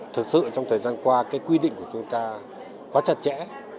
thực sự trong thời gian qua cái quy định của chúng ta quá chặt chẽ